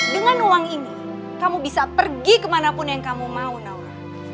dengan uang ini kamu bisa pergi kemanapun yang kamu mau naura